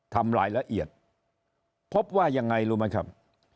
ทำรายละเอียดพบว่ายังไงรู้ไหมครับ